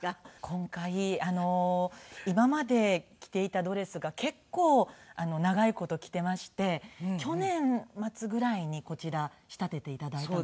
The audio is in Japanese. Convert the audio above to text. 今回今まで着ていたドレスが結構長い事着ていまして去年末ぐらいにこちら仕立てて頂いたのね。